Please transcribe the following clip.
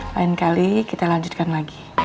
lain kali kita lanjutkan lagi